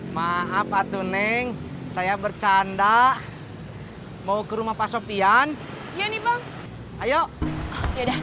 maaf atuneng saya bercanda mau ke rumah pak sopian ini bang ayo ya udah